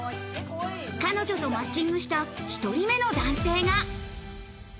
彼女とマッチングした１人目の男性が。